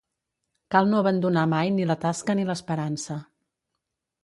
Cal no abandonar mai ni la tasca ni l'esperança.